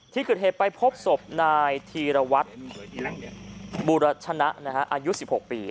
ที่เกิดเหตุไปพบศพนายธีรวัตรบูรชนะอายุ๑๖ปี